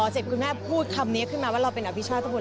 เสร็จคุณแม่พูดคำนี้ขึ้นมาว่าเราเป็นอภิชาตะบน